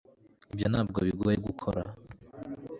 ibyo ntabwo bigoye gukora